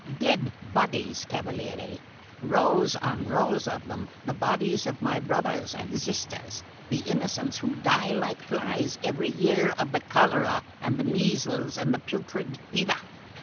"Dead bodies, cavaliere! Rows and rows of them; the bodies of my brothers and sisters, the Innocents who die like flies every year of the cholera and the measles and the putrid fever."